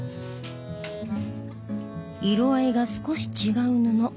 色合いが少し違う布。